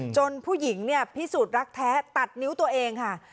ผู้หญิงเนี่ยพิสูจน์รักแท้ตัดนิ้วตัวเองค่ะ